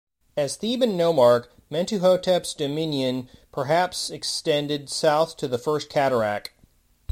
As Theban nomarch, Mentuhotep's dominion perhaps extended south to the first cataract.